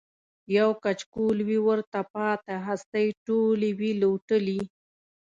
یو کچکول وي ورته پاته هستۍ ټولي وي لوټلي